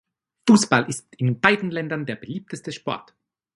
Fußball ist in beiden Ländern der beliebteste Sport.